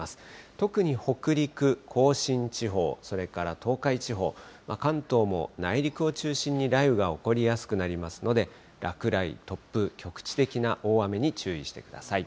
特に北陸、甲信地方、それから東海地方、関東も内陸を中心に雷雨が起こりやすくなりますので、落雷、突風、局地的な大雨に注意してください。